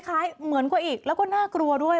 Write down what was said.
เหมือนกว่าอีกแล้วก็น่ากลัวด้วย